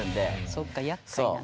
そっかやっかいなんだ。